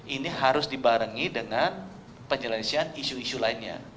ini harus dibarengi dengan penyelesaian isu isu lainnya